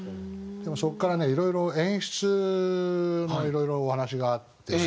でもそこからねいろいろ演出のいろいろお話があって。